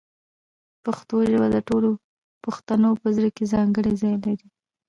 پښتو ژبه د ټولو پښتنو په زړه کې ځانګړی ځای لري.